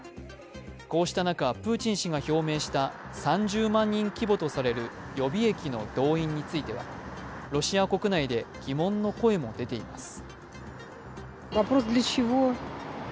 こうした中、プーチン氏が表明した３０万人規模とされる予備役の動員についてはロシア国内で疑問の声も出ています。